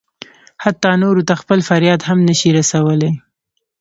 حتی نورو ته خپل فریاد هم نه شي رسولی.